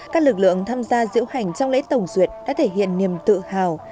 các lực lượng tham gia diễu hành trong lễ tổng duyệt đã thể hiện niềm tự hào